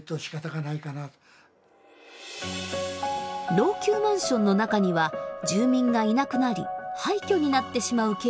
老朽マンションの中には住民がいなくなり廃虚になってしまうケースも出ています。